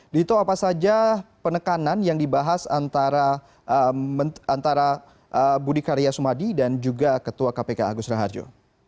dito apa saja penekanan yang dibahas antara budi karya sumadi dan juga ketua kpk agus raharjo